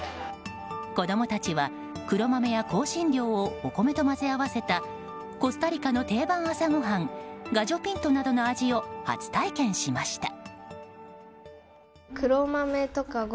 子供たちは、黒豆や香辛料をお米と混ぜ合わせたコスタリカの定番朝ごはんガジョ・ピントなどの味を初体験しました。